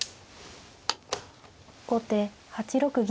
後手８六銀。